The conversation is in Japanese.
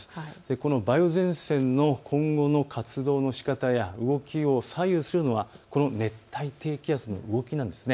この梅雨前線の今後の活動のしかたや動きを左右するのは、この熱帯低気圧の動きなんです。